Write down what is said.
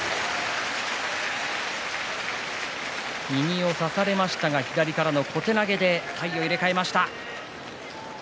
右を差されましたが左からの小手投げで体を入れ替えました。